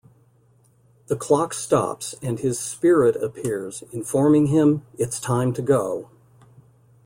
The clock stops, and his "spirit" appears, informing him "It's time to go.